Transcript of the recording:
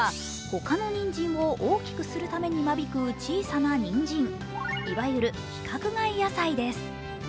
他のにんじんを大きくするために間引く小さなにんじん、いわゆる規格外野菜です。